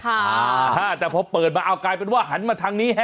แต่พอเปิดมาเอากลายเป็นว่าหันมาทางนี้ฮะ